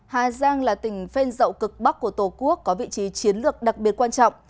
hà giang là tỉnh phên rậu cực bắc của tổ quốc có vị trí chiến lược đặc biệt quan trọng